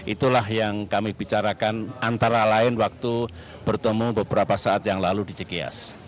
itulah yang kami bicarakan antara lain waktu bertemu beberapa saat yang lalu di cgs